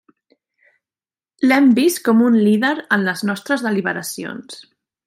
L'hem vist com un líder en les nostres deliberacions.